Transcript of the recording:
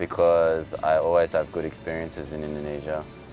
karena saya selalu memiliki pengalaman yang baik di indonesia